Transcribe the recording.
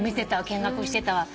見学してたわ。